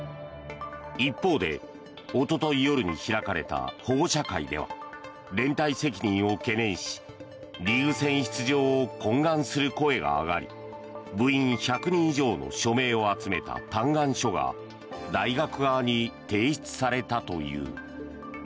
一方で、一昨日夜に開かれた保護者会では連帯責任を懸念しリーグ戦出場を懇願する声が上がり部員１００人以上の署名を集めた嘆願書が大学側に提出されたという。